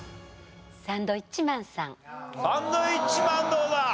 サンドウィッチマンどうだ？